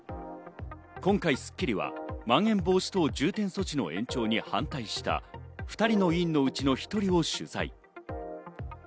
今回『スッキリ』はまん延防止等重点措置の延長に反対した２人の委員のうちの１人を取材。